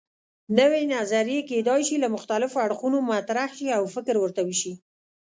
نوې نظریې کیدای شي له مختلفو اړخونو مطرح شي او فکر ورته وشي.